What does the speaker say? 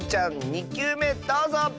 ２きゅうめどうぞ！